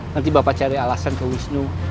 nanti bapak cari alasan ke wisnu